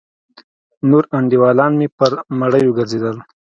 نور انډيوالان مې پر مړيو گرځېدل.